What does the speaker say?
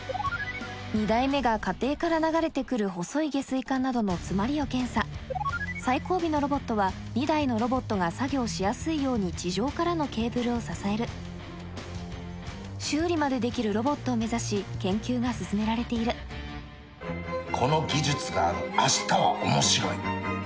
２台目が家庭から流れてくる細い下水管などの詰まりを検査最後尾のロボットは２台のロボットが作業しやすいように地上からのケーブルを支える修理までできるロボットを目指し研究が進められているこの技術があるあしたは面白い